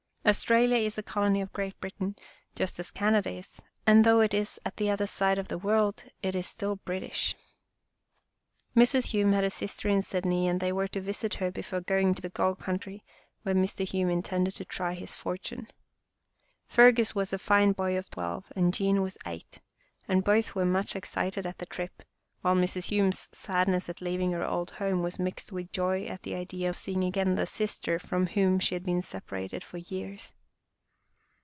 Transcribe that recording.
Australia is a colony of Great Britain just as Canada is, and though it is at the other side of the world, still it is British. 4 Our Little Australian Cousin Mrs. Hume had a sister in Sydney and they were to visit her before going to the Gold Coun try, where Mr. Hume intended to try his for tune. Fergus was a fine boy of twelve and Jean was eight, and both were much excited at the trip, while Mrs. Hume's sadness at leaving her old home was mixed with joy at the idea of seeing again the sister from whom she had been sepa rated for years.